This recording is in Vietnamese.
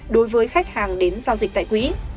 đối với khách hàng đến giao dịch tại quỹ